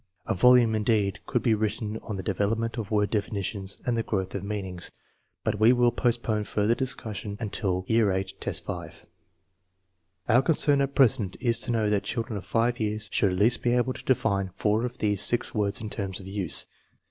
A volume, indeed, could be written on the development of word definitions and the growth of meanings; but we will postpone further discussion until VIII, 5. Our concern at present is to know that children of 5 years should at least be able to define four of these six words in terms of use.